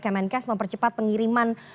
kemenkes mempercepat pengiriman